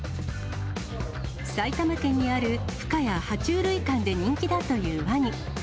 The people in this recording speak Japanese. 埼玉県にある深谷爬虫類館で人気だというワニ。